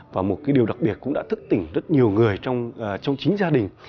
và một cái điều đặc biệt cũng đã thức tỉnh rất nhiều người trong chính gia đình